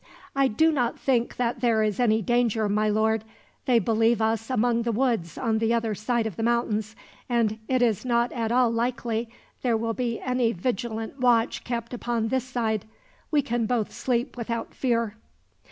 "I do not think that there is any danger, my lord. They believe us among the woods on the other side of the mountains, and it is not at all likely there will be any vigilant watch kept upon this side. We can both sleep without fear."